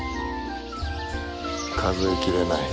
数え切れない。